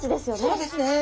そうですね。